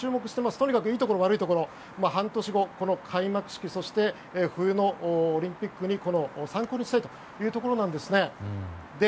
とにかくいいところ悪いところ半年後、開幕式冬のオリンピックの参考にしたいというところなんですね。